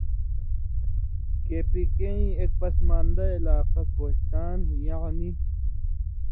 کے پی کے ایں ایک پسماندہ علاقہ کوہستان یعنی